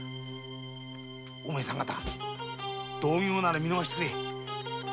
お前さん方同業なら見逃がしてくれ。